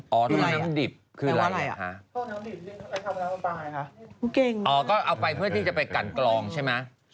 อ๋อท่อน้ำดิบคืออะไรอ่ะอ๋อก็เอาไปเพื่อที่จะไปกันกลองใช่ไหม